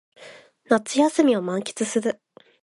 夏休みを満喫する